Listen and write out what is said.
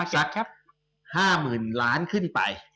สัก๕๐๐๐๐๐๐๐บาทขึ้นไป